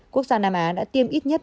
quốc gia nam á đã tiêm ít nhất